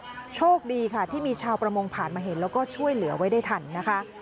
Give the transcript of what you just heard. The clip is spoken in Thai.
โชคดีค่ะที่มีชาวประมงผ่านมาเห็นแล้วก็ช่วยเหลือไว้ได้ทันนะคะ